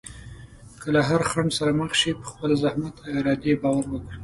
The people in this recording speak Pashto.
که له هر خنډ سره مخ شې، په خپل زحمت او ارادې باور وکړه.